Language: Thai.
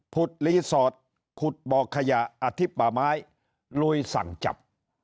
รีสอร์ทขุดบ่อขยะอธิป่าไม้ลุยสั่งจับ